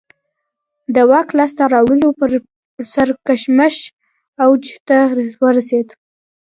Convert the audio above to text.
د واک لاسته راوړلو پر سر کشمکش اوج ته ورسېد